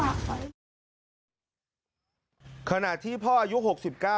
มันทิ้งข้างให้เขาเลี้ยงเลยหนูแค่เอาไปฝากไว้